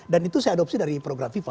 dan itu saya adopsi dari program fifa